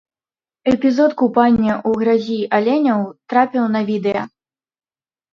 Эпізод купання ў гразі аленяў трапіў на відэа.